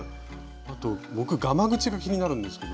あと僕がまぐちが気になるんですけど。